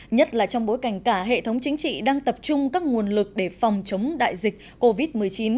nhất là trong bối cảnh cả hệ thống chính trị đang tập trung các nguồn lực để phòng chống đại dịch covid một mươi chín